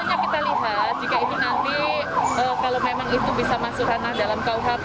masuk ranah tidaknya tentunya kita kasih dalam